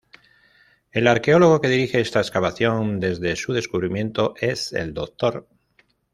El arqueólogo que dirige esta excavación desde su descubrimiento es el Dr.